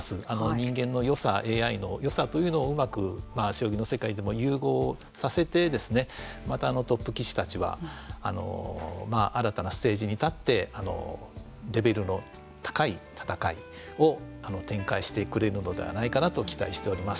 人間のよさＡＩのよさというのをうまく将棋の世界でも融合させてまたトップ棋士たちは新たなステージに立ってレベルの高い戦いを展開してくれるのではないかなと期待しております。